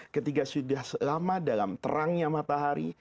ketika sudah lama dalam terangnya matahari